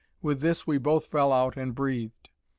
With this, we both fell out and breathed.